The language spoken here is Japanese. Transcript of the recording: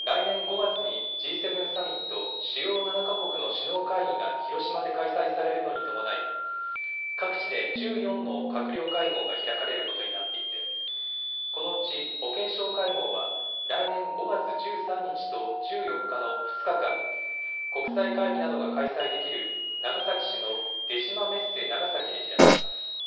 来年５月に、Ｇ７サミット・主要７か国の首脳会議が広島で開催されるのに伴い、各地で１４の閣僚会合が開かれることになっていて、このうち保健相会合は来年５月１３日と１４日の２日間、国際会議などが開催できる長崎市の出島メッセ長崎で開かれます。